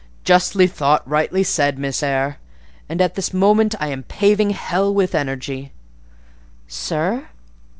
"Justly thought; rightly said, Miss Eyre; and, at this moment, I am paving hell with energy." "Sir?"